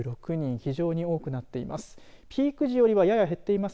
非常に多くなっています。